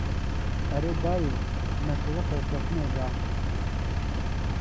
Erê dayê, me soza serkeftinê da.